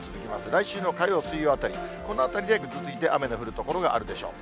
来週の火曜、水曜あたり、このあたりでぐずついて、雨の降る所があるでしょう。